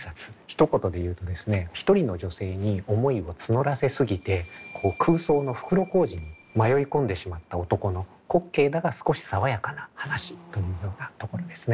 ひと言で言うとですね一人の女性に思いを募らせ過ぎて空想の袋小路に迷い込んでしまった男の滑稽だが少し爽やかな話というようなところですね。